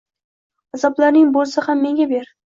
Azoblaring bulsa mana menga ber